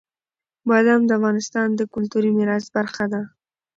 بادام د افغانستان د کلتوري میراث برخه ده.